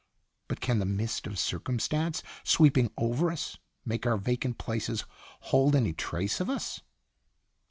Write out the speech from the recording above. But can the mist of circumstance sweeping over us make our vacant places hold any trace of us?"